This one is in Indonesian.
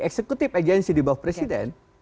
eksekutif agency di bawah presiden